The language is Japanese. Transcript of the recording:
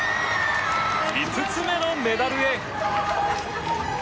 ５つ目のメダルへ。